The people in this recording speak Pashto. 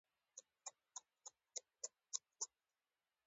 زه د خځې له خوا وهل کېږم